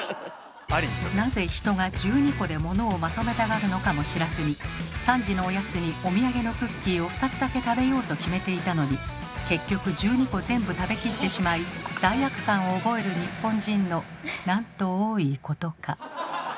なぜ人が１２個で物をまとめたがるのかも知らずに「３時のおやつにお土産のクッキーを２つだけ食べよう」と決めていたのに結局１２個全部食べきってしまい罪悪感を覚える日本人のなんと多いことか。